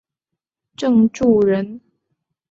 郑注人。